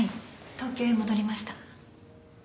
東京へ戻りました。